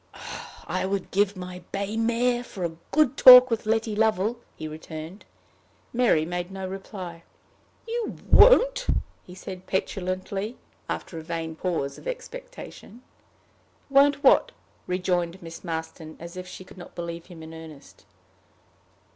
"I would give my bay mare for a good talk with Letty Lovel," he returned. Mary made no reply. "You won't?" he said petulantly, after a vain pause of expectation. "Won't what?" rejoined Miss Marston, as if she could not believe him in earnest.